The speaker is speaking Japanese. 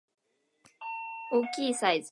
大きいサイズ